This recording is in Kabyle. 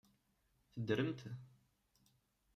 Teddremt?